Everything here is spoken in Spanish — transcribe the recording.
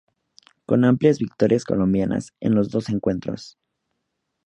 Con amplias victorias colombianas en los dos encuentros.